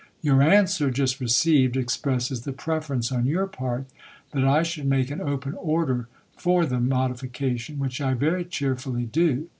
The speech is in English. Your answer, just received, expresses the preference on your part that I should make an open order for tlie modification, which I very cheerfully do.